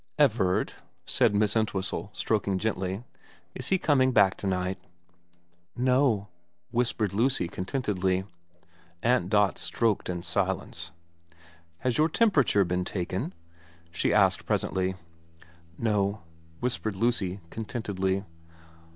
' Everard ' said Miss Entwhistle, stroking gently, * is he coming back to night ?'* No,' whispered Lucy contentedly. Aunt Dot stroked in silence. ' Has your temperature been taken ?' she asked presently. * No,' whispered Lucy contentedly.